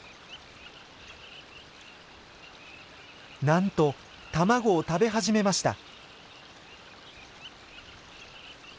なんと卵を食べ始めました。